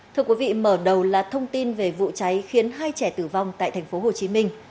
thưa quý vị mở đầu là thông tin về vụ cháy khiến hai trẻ tử vong tại thành phố hồ chí minh